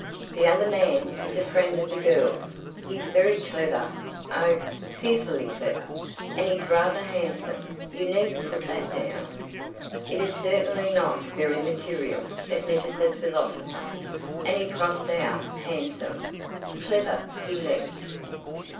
The other man is a friend of the girl's: he's very clever oh, fearfully clever and he's rather handsome. You needn't put that down." "It is certainly not very material," admitted the philosopher, and he crossed out "handsome"; "clever" he left.